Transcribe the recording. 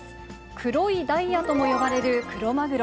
黒いダイヤとも呼ばれるクロマグロ。